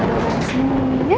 ada orang disini ya